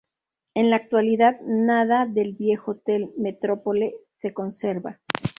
En la actualidad nada del viejo Hotel Metropole se conserva.